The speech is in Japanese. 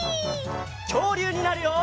きょうりゅうになるよ！